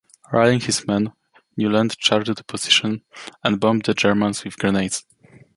Rallying his men, Newland charged the position and bombed the Germans with grenades.